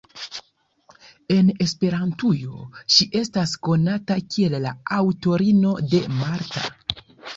En Esperantujo ŝi estas konata kiel la aŭtorino de "Marta.